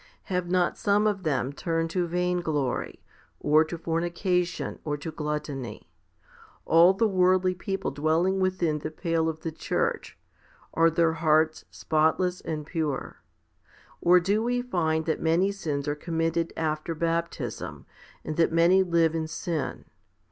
Have not some of them turned to vainglory, or to fornication, or to gluttony? All the worldly people dwelling within the pale of the church, are their hearts spotless and pure ? Or do we find that many sins are committed after baptism, and that many live in sin?